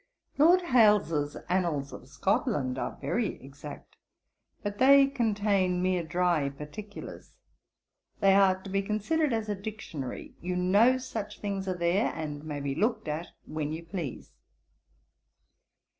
Lord Hailes's Annals of Scotland are very exact; but they contain mere dry particulars. They are to be considered as a Dictionary. You know such things are there; and may be looked at when you please.